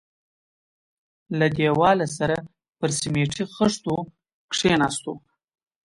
له دېواله سره پر سميټي خښتو کښېناستو.